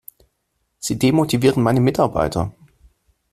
Sie demotivieren meine Mitarbeiter!